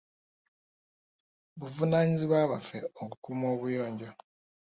Buvunaanyizibwa bwaffe okukuuma obuyonjo.